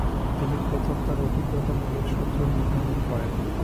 তিনি প্রথমে তার অভিজ্ঞতামূলক সূত্র নির্ধারণ করেন।